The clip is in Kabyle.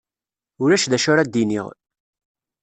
Ulac d acu ara d-iniɣ.